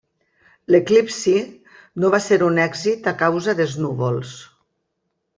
L'eclipsi no va ser un èxit a causa dels núvols.